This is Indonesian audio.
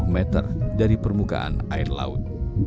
sembilan puluh meter dari permukaan air laut